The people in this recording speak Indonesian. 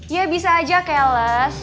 ya bisa aja kelas